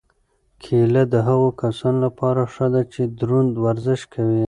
کیله د هغو کسانو لپاره ښه ده چې دروند ورزش کوي.